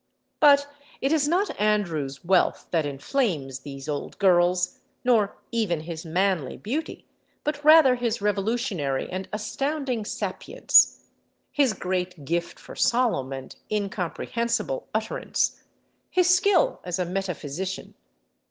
But it is not Andrew's wealth that inflames these old girls, nor even his manly beauty, but rather his revolutionary and astounding sapience, his great gift for solemn and incomprehensible utterance, his skill as a metaphysician.